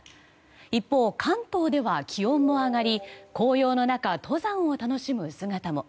一方、関東では気温も上がり紅葉の中、登山を楽しむ姿も。